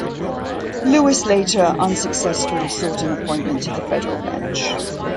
Lewis later unsuccessfully sought an appointment to the federal bench.